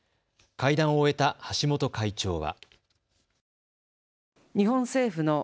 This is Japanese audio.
会談を終えた橋本会長は。